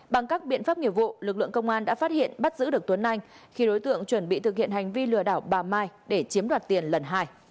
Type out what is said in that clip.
bằng các biện pháp nghiệp vụ lực lượng công an đã phát hiện bắt giữ được tuấn anh khi đối tượng chuẩn bị thực hiện hành vi lừa đảo bà mai để chiếm đoạt tiền lần hai